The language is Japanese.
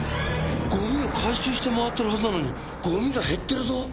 ゴミを回収して回ってるはずなのにゴミが減ってるぞ！